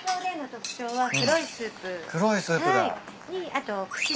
あと。